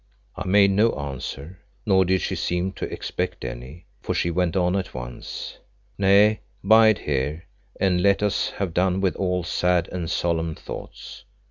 I made no answer, nor did she seem to expect any, for she went on at once "Nay, bide here and let us have done with all sad and solemn thoughts.